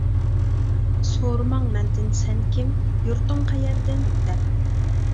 سورىماڭ مەندىن، سەن كىم؟ يۇرتۇڭ قەيەردىن دەپ!